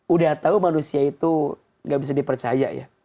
udah tau manusia itu gak bisa dipercaya ya